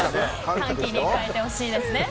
歓喜に変えてほしいですね。